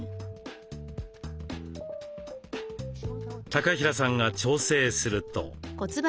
高平さんが調整すると。